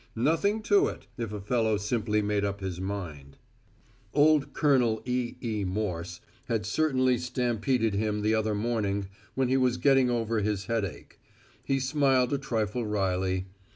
Nothing to it, if a fellow simply made up his mind. Old Col. E. E. Morse had certainly stampeded him the other morning when he was getting over his headache. He smiled a trifle wryly.